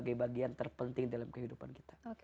dan bagian terpenting dalam kehidupan kita